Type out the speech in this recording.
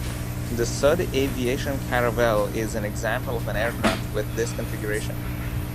The Sud Aviation Caravelle is an example of an aircraft with this configuration.